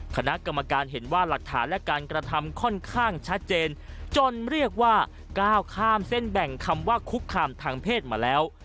คณะกรรมการเห็นว่าหลักฐานและการกระทำค่อนข้างชัดเจนจนเรียกว่าก้าวข้ามเส้นแบ่งคำว่าคุกคามทางเพศมาแล้ว